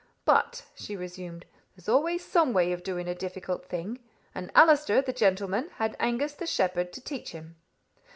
"But," she resumed, "there's always some way of doing a difficult thing; and Allister, the gentleman, had Angus, the shepherd, to teach him.